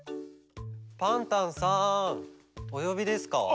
パンタンさんおよびですか？